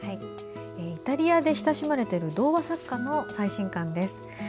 イタリアで親しまれている童話作家の最新刊です。